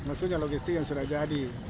maksudnya logistik yang sudah jadi